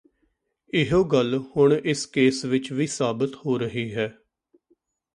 ਇਹੋ ਗੱਲ ਹੁਣ ਇਸ ਕੇਸ ਵਿੱਚ ਵੀ ਸਾਬਤ ਹੋ ਰਹੀ ਹੈ